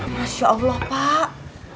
masya allah pak